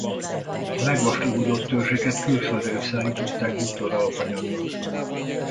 A megvastagodott törzseket külföldre szállították bútor-alapanyagnak.